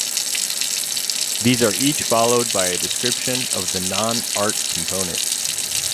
These are each followed by a description of the non-art components.